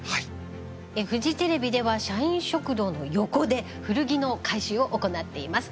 フジテレビでは社員食堂の横で古着の回収を行っています。